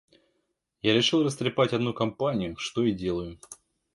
Я решил растрепать одну компанию, что и делаю.